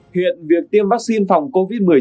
hiện việc tiêm vắc xin phòng covid một mươi chín